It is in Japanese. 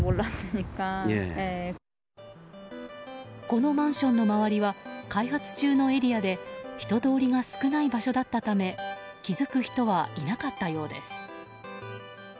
このマンションの周りは開発中のエリアで人通りが少ない場所だったため気づく人はいなかったようです。